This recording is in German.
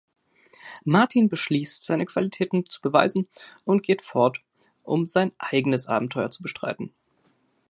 Martin beschließt, seine Qualitäten zu beweisen und geht fort, um sein eigenes Abenteuer zu bestreiten.